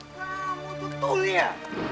kamu itu tulia